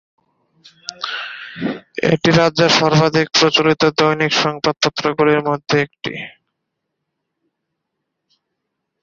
এটি রাজ্যের সর্বাধিক প্রচারিত দৈনিক সংবাদপত্রগুলির মধ্যে একটি।